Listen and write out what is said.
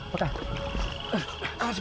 pekak sedang apa